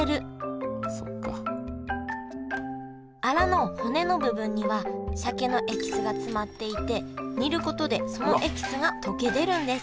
アラの骨の部分には鮭のエキスが詰まっていて煮ることでそのエキスが溶け出るんです